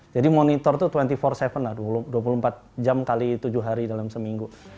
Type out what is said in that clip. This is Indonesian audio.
jadi monitor tuh dua puluh empat tujuh lah dua puluh empat jam kali tujuh hari dalam seminggu